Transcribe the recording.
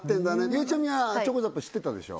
ゆうちゃみはチョコザップ知ってたでしょ？